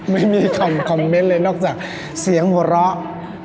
ไม่มีคำคอมเมนต์เลยนอกจากเสียงหัวเราะ